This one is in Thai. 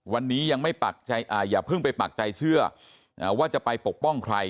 วันนี้ยังไม่ปักใจอย่าเพิ่งไปปักใจเชื่อว่าจะไปปกป้องใคร